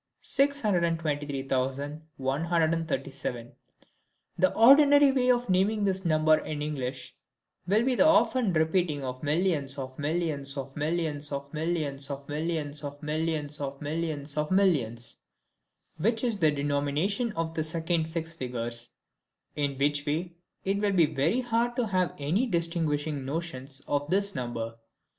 623137 The ordinary way of naming this number in English, will be the often repeating of millions, of millions, of millions, of millions, of millions, of millions, of millions, of millions, (which is the denomination of the second six figures). In which way, it will be very hard to have any distinguishing notions of this number.